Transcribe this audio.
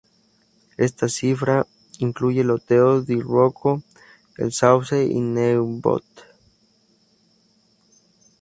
Esta cifra incluye loteos Di Rocco, El Sauce y Nebot.